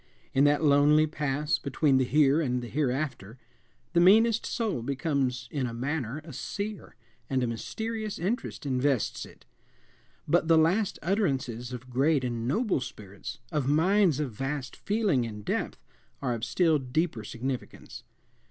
In that lonely pass between the here and the hereafter the meanest soul becomes in a manner a seer, and a mysterious interest invests it. But the last utterances of great and noble spirits, of minds of vast feeling and depth, are of still deeper significance.